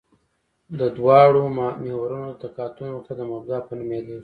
د دواړو محورونو د تقاطع نقطه د مبدا په نوم یادیږي